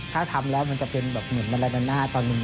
ถ้าทำแล้วมันจะเป็นแบบเหมือนบาลาน่าตอนหนึ่ง